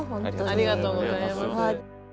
ありがとうございます。